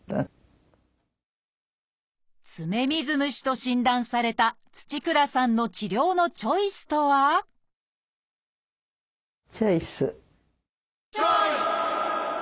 「爪水虫」と診断された土倉さんの治療のチョイスとはチョイス！